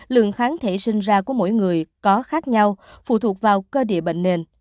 lượng kháng thể sinh ra của mỗi người có khác nhau phụ thuộc vào cơ địa bệnh nền